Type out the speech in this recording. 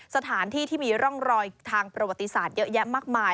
สถานที่ที่มีร่องรอยทางประวัติศาสตร์เยอะแยะมากมาย